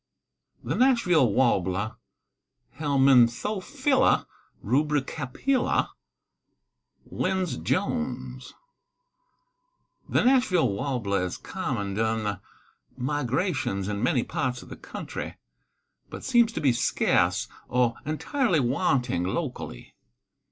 THE NASHVILLE WARBLER. (Helminthophila rubricapilla.) LYNDS JONES. The Nashville warbler is common during the migrations in many parts of the country, but seems to be scarce or entirely wanting locally.